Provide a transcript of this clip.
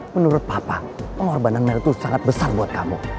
menurut papa pengorbanan merah itu sangat besar buat kamu